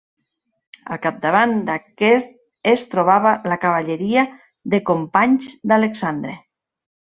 Al capdavant d'aquests es trobava la cavalleria de companys d'Alexandre.